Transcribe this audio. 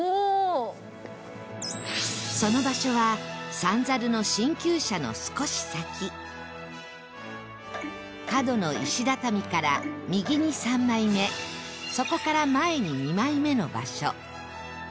その場所は三猿の角の石畳から右に３枚目そこから前に２枚目の場所